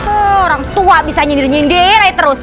orang tua bisa nyindir nyindir terus